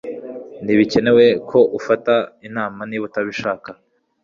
Ntibikenewe ko ufata inama niba utabishaka.